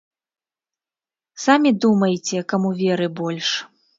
Самі думайце, каму веры больш.